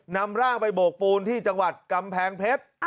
นำร่างไปโบกปูนที่จังหวัดกำแพงเพชร